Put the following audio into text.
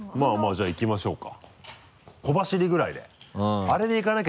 じゃあいきましょうか。